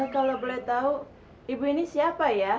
kalau boleh tahu ibu ini siapa ya